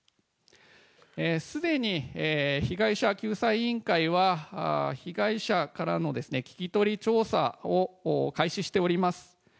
すでに被害者救済委員会は被害者からの聞き取り調査を開始しております。